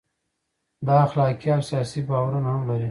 دا اخلاقي او سیاسي باورونه هم لري.